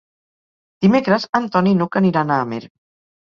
Dimecres en Ton i n'Hug aniran a Amer.